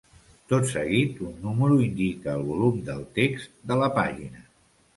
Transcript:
Tot seguit, un número indica el volum del text de la pàgina.